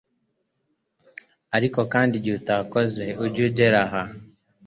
ariko kandi igihe utakoze uje ugera aha